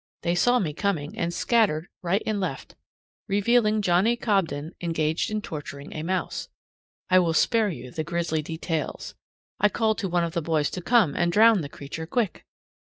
They saw me coming, and scattered right and left, revealing Johnnie Cobden engaged in torturing a mouse. I will spare you the grisly details. I called to one of the boys to come and drown the creature quick!